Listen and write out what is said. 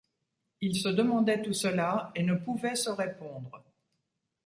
Il se demandait tout cela et ne pouvait se répondre.